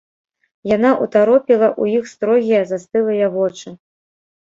Яна ўтаропіла ў іх строгія застылыя вочы.